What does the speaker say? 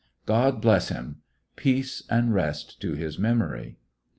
Gk)d bless him I Peace and rest to his memory.